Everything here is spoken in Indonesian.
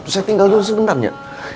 saya tinggal dulu sebentar ya